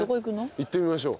行ってみましょう。